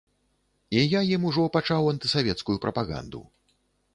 І я ім ужо пачаў антысавецкую прапаганду.